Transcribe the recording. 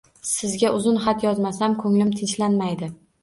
Sizga uzun xat yozmasam, ko'nglim tinchlanmaydi.